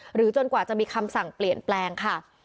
จนกว่าจะมีคำสั่งเปลี่ยนแปลงค่ะ